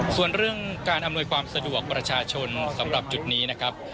ส่วนเรื่องการอำนวยความสะดวกประชาชนสำหรับจุดนี้นะครับ